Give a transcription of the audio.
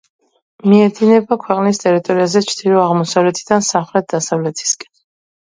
მიედინება ქვეყნის ტერიტორიაზე ჩრდილო-აღმოსავლეთიდან სამხრეთ-დასავლეთისკენ.